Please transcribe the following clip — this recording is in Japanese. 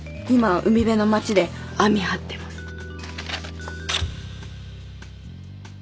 今は海辺の町で網張ってます。